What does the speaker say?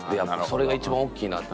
それが一番大きいなと。